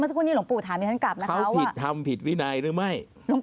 สักครู่นี้หลวงปู่ถามดิฉันกลับนะคะว่าผิดทำผิดวินัยหรือไม่